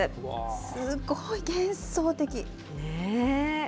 すごい、幻想的。